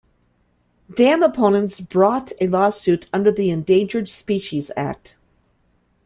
Dam opponents brought a lawsuit under the Endangered Species Act.